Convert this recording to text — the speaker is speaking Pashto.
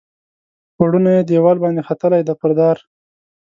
پوړونی یې دیوال باندې ختلي دي پر دار